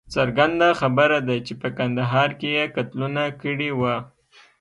څرګنده خبره ده چې په کندهار کې یې قتلونه کړي وه.